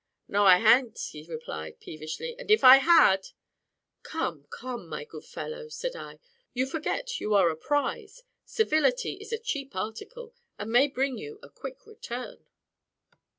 "No, I ha'n't," he replied, peevishly; "and if I had " "Come, come, my good fellow," said I, "you forget you are a prize; civility is a cheap article, and may bring you a quick return."